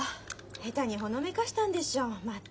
下手にほのめかしたんでしょまた。